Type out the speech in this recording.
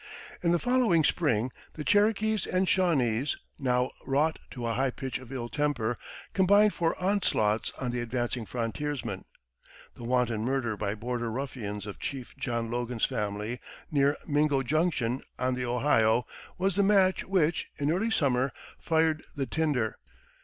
In the following spring the Cherokees and Shawnese, now wrought to a high pitch of ill temper, combined for onslaughts on the advancing frontiersmen. The wanton murder by border ruffians of Chief John Logan's family, near Mingo Junction, on the Ohio, was the match which, in early summer, fired the tinder.